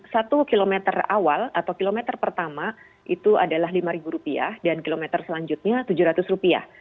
satu kilometer awal atau kilometer pertama itu adalah rp lima dan kilometer selanjutnya rp tujuh ratus